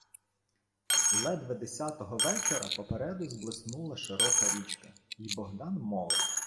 Ледве десятого вечора попереду зблиснула широка річка, й Богдан мовив: